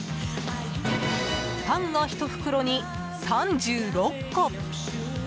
パンが１袋に３６個。